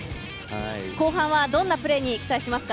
後半、どんなプレーに期待しますか？